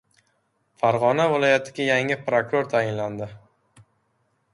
Farg‘ona viloyatiga yangi prokuror tayinlandi